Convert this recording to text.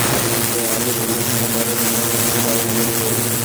হ্যাঁ, আমি তেমন প্রাণীপ্রেমী নই।